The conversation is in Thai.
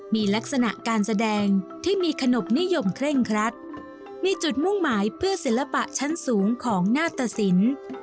มีลักษณะการแสดงที่มีขนบนิยมเคร่งครัดมีจุดมุ่งหมายเพื่อศิลปะชั้นสูงของหน้าตสิน